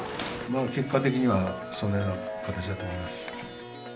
まあ結果的には、そのような形だと思います。